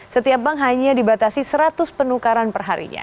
setiap bank hanya dibatasi seratus penukaran perharinya